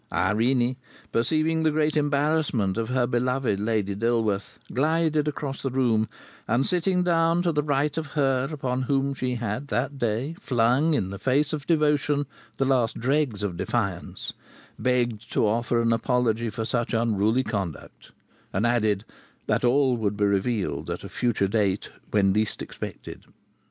Irene, perceiving the great embarrassment of her beloved Lady Dilworth, glided across the room, and sitting down to the right of her upon whom she had that day flung, in the face of devotion, the last dregs of defiance, "begged to offer an apology for such unruly conduct," and added "that all would be revealed at a future date when least expected."